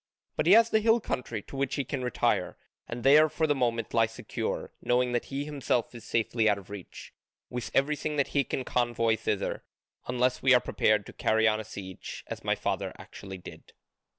But he has the hill country to which he can retire, and there for the moment lie secure, knowing that he himself is safely out of reach, with everything that he can convoy thither; unless we are prepared to carry on a siege, as my father actually did."